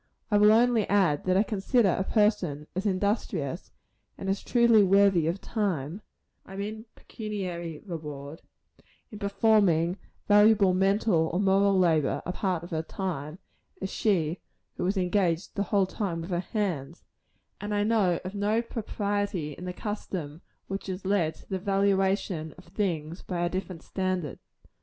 I will only add, that I consider a person as industrious, and as truly worthy of reward I mean pecuniary reward in performing valuable mental or moral labor a part of her time, as she who is engaged the whole time with her hands; and I know of no propriety in the custom which has led to the valuation of things by a different standard.